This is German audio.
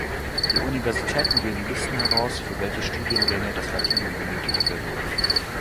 Die Universitäten geben Listen heraus, für welche Studiengänge das Latinum benötigt wird.